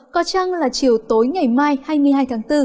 có chăng là chiều tối ngày mai hai mươi hai tháng bốn